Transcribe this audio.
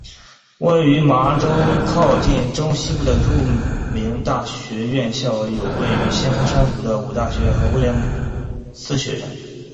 位于麻州靠近中西部的著名大学院校有位于先锋山谷的五大学院和威廉斯学院。